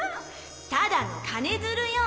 ただの金ヅルよ！